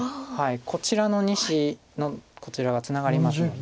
こちらの２子こちらがツナがりますので。